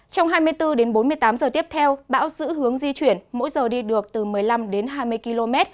trong hai mươi bốn đến bốn mươi tám giờ tiếp theo bão giữ hướng di chuyển mỗi giờ đi được từ một mươi năm đến hai mươi km